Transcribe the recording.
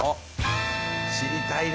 知りたいね！